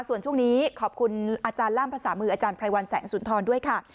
ส่วนช่วงนี้ขอบคุณอาจารย์ล่ามภาษามืออาจารย์ไพรวัลแสงสุนทรด้วยค่ะ